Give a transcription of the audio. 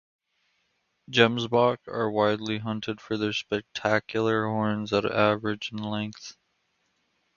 Gemsbok are widely hunted for their spectacular horns that average in length.